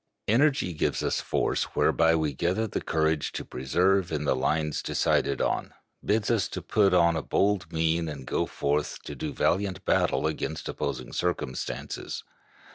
Energy gives us force whereby we gather the courage to persevere in the lines decided on, bids us put on a bold mien and go forth to do valiant battle against opposing circumstances.